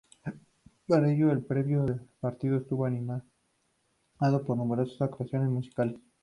Para ello el previo del partido estuvo animado por numerosas actuaciones musicales.